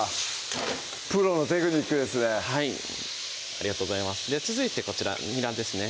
プロのテクニックですねはいありがとうございます続いてこちらにらですね